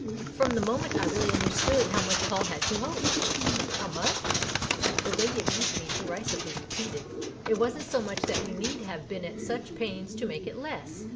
" From the moment I really understood how much Paul had to hope." " How f much '?" the lady of Eastmead derisively repeated. " It wasn't so much that you need have been at such pains to make it less